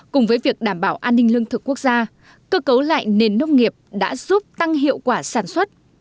cùng với việc đảm bảo an ninh lương thực quốc gia cơ cấu lại nền nông nghiệp đã giúp tăng hiệu quả sản xuất